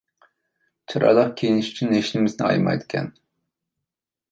چىرايلىق كىيىنىش ئۈچۈن ھېچنېمىسىنى ئايىمايدىكەن.